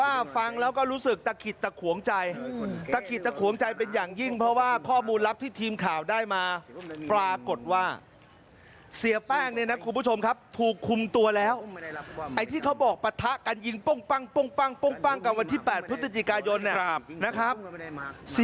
อาจจะมอบตัวก็ได้